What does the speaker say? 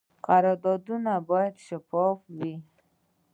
قراردادونه باید شفاف وي